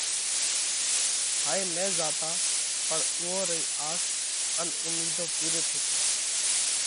هاٿي نہ زاتا پڻ اُوئون رئِي آس ان اُمِيڌون پُوري ٿيتي۔